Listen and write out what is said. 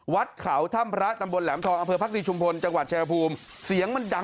วัดเขาถ้ำพระตำบลแหลมทองอำเภอพรัคลิชุมพลจังหวัดแชภูมิ